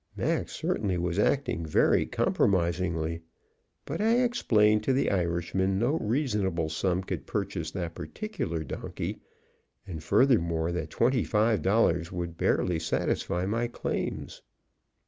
Mac certainly was acting very compromisingly. But I explained to the Irishman no reasonable sum could purchase that particular donkey, and, furthermore, that twenty five dollars would barely satisfy my claims.